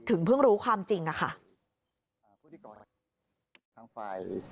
เพิ่งรู้ความจริงอะค่ะ